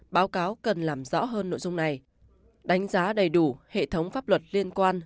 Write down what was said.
báo cáo cần làm rõ hơn nội dung này đánh giá đầy đủ hệ thống pháp luật liên quan